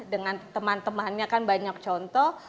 dengan teman temannya kan banyak contoh